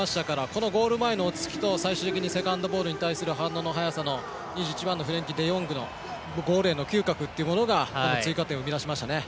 このゴール前の落ち着きと最終的にセカンドボールに対する反応の速さと１１番、デヨングのゴールへの嗅覚というものが追加点を生み出しましたね。